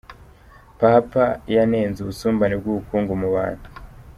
Papa yanenze ubusumbane bw’ubukungu mu bantu